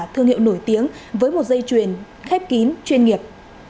thương hiệu nổi tiếng với một dây chuyền khép kín chuyên nghiệp